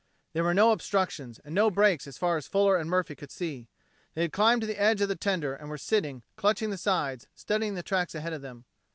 There were no obstructions, and no breaks as far as Fuller and Murphy could see. They had climbed to the edge of the tender and were sitting, clutching the sides, studying the tracks ahead of them.